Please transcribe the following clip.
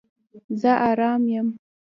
زه آرام یم